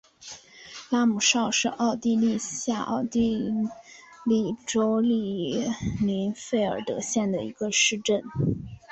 拉姆绍是奥地利下奥地利州利林费尔德县的一个市镇。